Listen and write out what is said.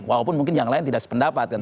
walaupun mungkin yang lain tidak sependapat kan